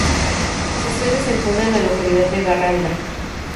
Su sede se encuentra en la localidad de Garralda.